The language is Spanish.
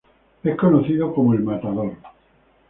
Es conocido como "El Matador".